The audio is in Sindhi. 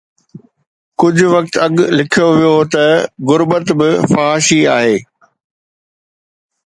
ڪجهه وقت اڳ لکيو ويو هو ته غربت به فحاشي آهي.